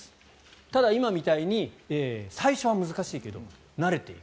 ただ、今みたいに最初は難しいけど慣れていく。